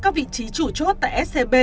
các vị trí chủ chốt tại scb